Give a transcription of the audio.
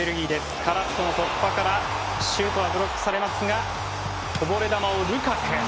カラスコの突破からシュートはブロックされますがこぼれ球をルカク。